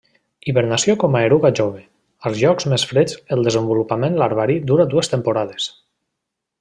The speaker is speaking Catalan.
Hibernació com a eruga jove; als llocs més freds el desenvolupament larvari dura dues temporades.